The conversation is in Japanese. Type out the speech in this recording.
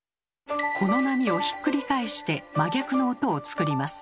この波をひっくり返して真逆の音を作ります。